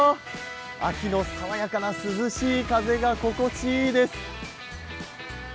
秋の爽やかな涼しい風が心地いいです。